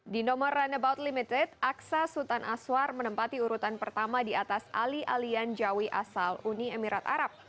di nomor runnabout limited aksa sultan aswar menempati urutan pertama di atas ali alian jawi asal uni emirat arab